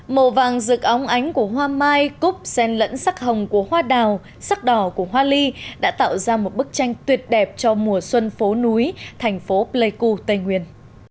màu vàng rực óng ánh của hoa mai cúp sen lẫn sắc hồng của hoa đào sắc đỏ của hoa ly đã tạo ra một bức tranh tuyệt đẹp cho mùa xuân phố núi thành phố pleiku tây nguyên